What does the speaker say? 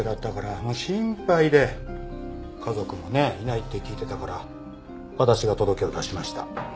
家族もねいないって聞いてたから私が届けを出しました。